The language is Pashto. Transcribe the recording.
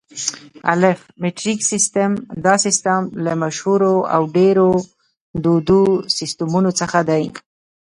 الف: مټریک سیسټم: دا سیسټم له مشهورو او ډېرو دودو سیسټمونو څخه دی.